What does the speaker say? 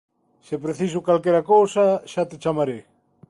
Se preciso calquera cousa xa te chamarei.